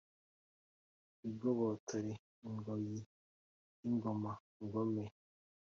bigobotore ingoyi y’ingoma ngome